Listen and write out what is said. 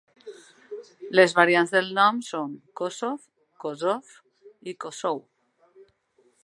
Les variants del nom són Kossov, Kosov i Kossow.